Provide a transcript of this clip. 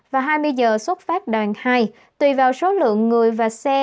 và hai mươi giờ xuất phát đoàn hai tùy vào số lượng người và xe